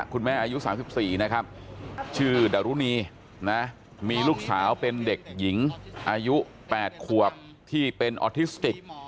อายุ๓๔นะครับชื่อดารุณีนะมีลูกสาวเป็นเด็กหญิงอายุ๘ขวบที่เป็นออทิสติก